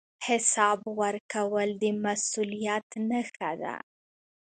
حساب ورکول د مسوولیت نښه ده